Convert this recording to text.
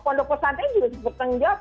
pondok pesantren juga bertanggung jawab